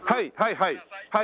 はいはい。